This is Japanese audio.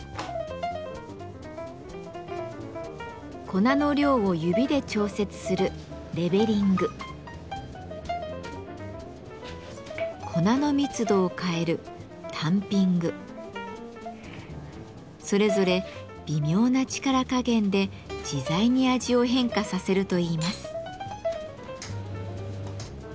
粉の量を指で調節する粉の密度を変えるそれぞれ微妙な力加減で自在に味を変化させるといいます。